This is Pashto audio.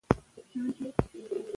ښوونکي وویل چې پوهه د بریا کیلي ده.